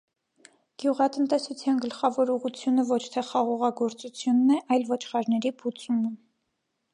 Գյուղատնտեսության գլխավոր ուղղությունը ոչ թե խաղողագործությունն է, այլ ոչխարների բուծումը։